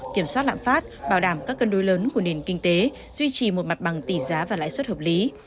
kiểm soát lạm phát bảo đảm các cân đối lớn của nền kinh tế duy trì một mặt bằng tỷ giá và lãi suất hợp lý